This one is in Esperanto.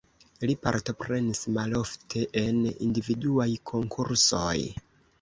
Li partoprenis malofte en individuaj konkursoj.